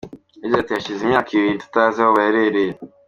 Yagize ati "Hashize imyaka ibiri tutazi aho aherereye.